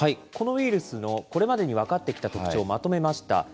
このウイルスのこれまでに分かってきた特徴をまとめました。